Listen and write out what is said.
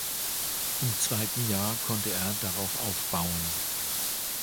Im zweiten Jahr konnte er darauf aufbauen.